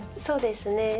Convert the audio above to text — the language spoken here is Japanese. そうですね。